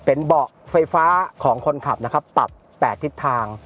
เป็นเบาะไฟฟ้าของคนขับนะครับปรับ๘ทิศทาง